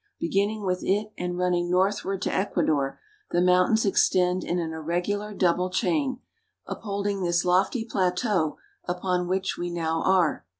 Beginning with it and running northward to Ecuador, the mountains extend in an irregular double chain, upholding this lofty plateau upon which we now are.